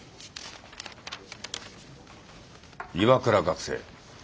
岩倉学生。